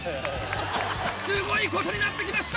スゴいことになってきました！